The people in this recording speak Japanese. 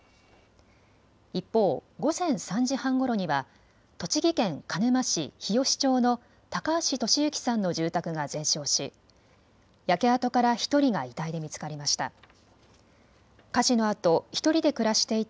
一方、午前３時半ごろには栃木県鹿沼市日吉町の高橋利行さんの住宅が全焼し焼け跡から１人が遺体で見つかりました。